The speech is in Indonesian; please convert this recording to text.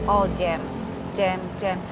oh jam jam jam